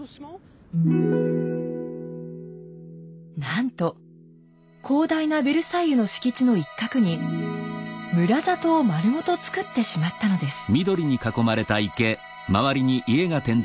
なんと広大なヴェルサイユの敷地の一角に村里を丸ごとつくってしまったのです。